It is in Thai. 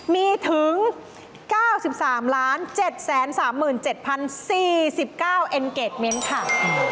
มีถึง๙๓๗๓๗๐๔๙เอ็นเกรดเมนต์ค่ะ